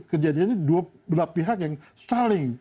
kejadiannya dua belah pihak yang saling